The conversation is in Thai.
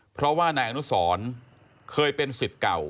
เพราะว่านายอนุสรเคยเป็นสิทธิ์เก่า